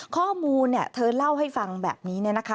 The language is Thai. ข้อมูลเธอเล่าให้ฟังแบบนี้